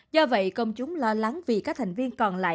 do vậy công chúng lo lắng vì các thành viên còn lại